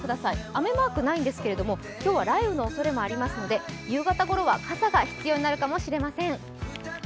雨マークはないんですけど今日は雷雨のおそれもありますので夕方ごろは傘が必要になるかもしれません。